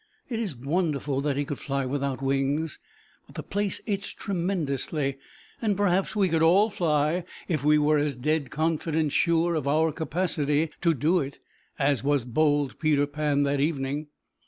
It is wonderful that he could fly without wings, but the place itched tremendously, and, perhaps we could all fly if we were as dead confident sure of our capacity to do it as was bold Peter Pan that evening.